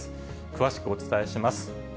詳しくお伝えします。